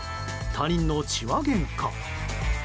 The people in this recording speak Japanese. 他人の痴話げんか。